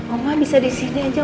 oma bisa disini aja